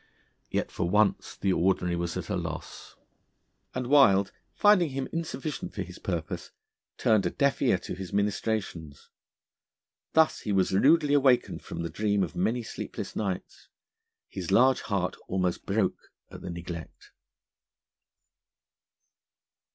Yet for once the Ordinary was at a loss, and Wild, finding him insufficient for his purpose, turned a deaf ear to his ministrations. Thus he was rudely awakened from the dream of many sleepless nights. His large heart almost broke at the neglect.